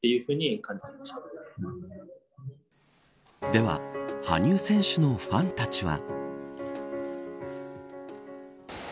では、羽生選手のファンたちは。